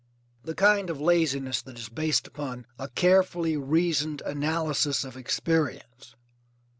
The kind of laziness that is based upon a carefully reasoned analysis of experience.